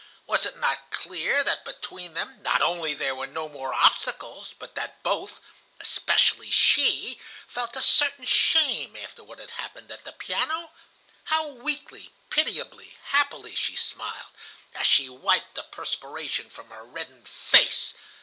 Was it not clear that between them not only there were no more obstacles, but that both—especially she—felt a certain shame after what had happened at the piano? How weakly, pitiably, happily she smiled, as she wiped the perspiration from her reddened face!